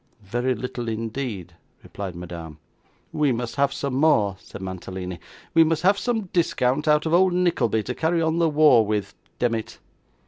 'Very little indeed,' replied Madame. 'We must have some more,' said Mantalini; 'we must have some discount out of old Nickleby to carry on the war with, demmit.